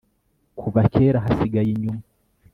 kuva kera hasigaye inyuma